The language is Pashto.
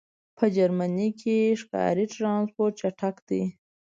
په جرمنی کی ښکاری ټرانسپورټ چټک دی